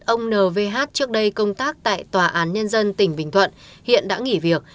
ông n vh trước đây công tác tại tòa án nhân dân tỉnh bình thuận hiện đã nghỉ việc